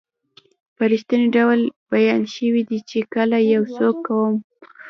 په رښتني ډول بیان شوي دي چې کله یو څوک کوم